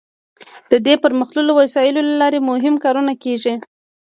د دې پرمختللو وسایلو له لارې مهم کارونه کیږي.